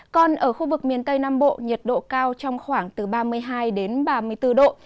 còn ở khu vực miền tây nam bộ nhiệt độ cao trong khoảng từ ba mươi hai đến ba mươi bốn độ